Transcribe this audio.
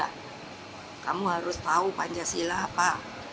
kamu harus tahu pancasila apa